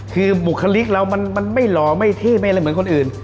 คือบุคลิกเรามันไม่หล่อไม่เท่ไม่อะไรเหมือนคนอื่น